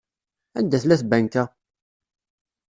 Anda tella tbanka?